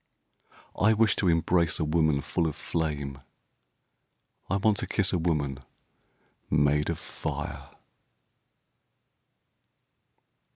I wish to embrace a woman full of flame, I want to kiss a woman made of fire.